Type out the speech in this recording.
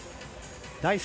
第３